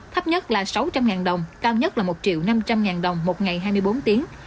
thấp nhất là sáu trăm linh đồng cao nhất là một triệu năm trăm linh ngàn đồng một ngày hai mươi bốn tiếng